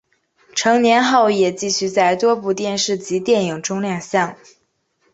成年后也继续在多部电视及电影中亮相。